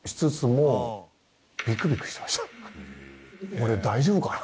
俺大丈夫かな？